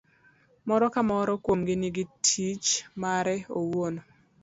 ka moro ka moro kuomgi nigi tich mare owuon.